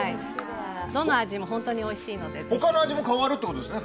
どの味も本当においしいですよ。